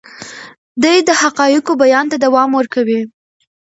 دی د حقایقو بیان ته دوام ورکوي.